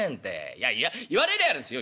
いやいや言われりゃあやるんすよ。